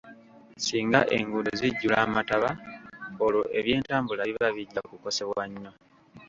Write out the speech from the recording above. Singa enguudo zijjula amataba olwo eby'entambula biba bijja kukosebwa nnyo.